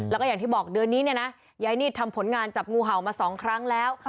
แล้วก็อย่างที่บอกเดือนนี้ยายนีดทำผลงานจับงูหาวมาสองครั้งแล้ว